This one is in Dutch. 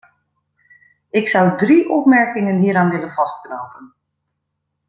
Ik zou drie opmerkingen hieraan willen vastknopen.